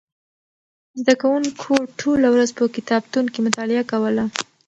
زده کوونکو ټوله ورځ په کتابتون کې مطالعه کوله.